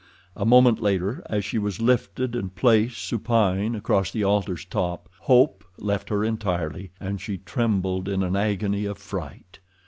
A moment later, as she was lifted and placed supine across the altar's top, hope left her entirely, and she trembled in an agony of fright.